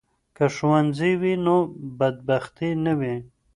که ښوونځی وي نو بدبختي نه وي.